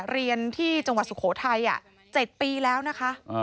เรียนที่จังหวัดสุโขทัย๗ปีแล้วนะคะ